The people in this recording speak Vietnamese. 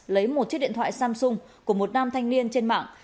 lấy một chiếc điện thoại samsung của một nam thanh niên trên mạng